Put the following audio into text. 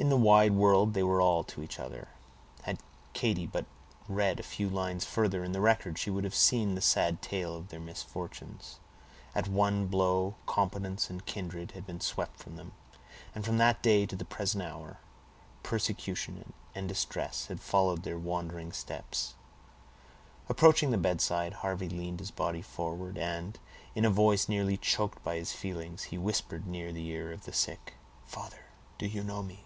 In the wide world they were all to each other. Had Katy but read a few lines further in the record, she would have seen the sad tale of their misfortunes. At one blow competence and kindred had been swept from them, and from that day to the present hour, persecution and distress had followed their wandering steps. Approaching the bedside, Harvey leaned his body forward, and, in a voice nearly choked by his feelings, he whispered near the ear of the sick,— "Father, do you know me?"